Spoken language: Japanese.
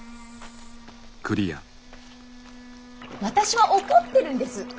私は怒ってるんです。